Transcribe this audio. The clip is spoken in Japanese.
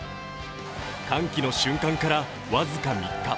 歓喜の瞬間から僅か３日。